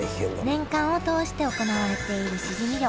年間を通して行われているしじみ漁。